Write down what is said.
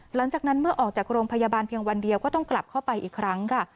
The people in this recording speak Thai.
หลังจากนั้นเมื่อออกจากโรงพยาบาลเพียงวันเดียวก็ต้องกลับเข้าไปอีกครั้งค่ะ